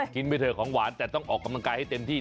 ไปเถอะของหวานแต่ต้องออกกำลังกายให้เต็มที่